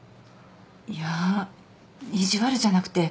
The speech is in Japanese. いや意地悪じゃなくていじめよ。